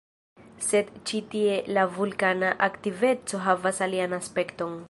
Sed ĉi tie la vulkana aktiveco havas alian aspekton.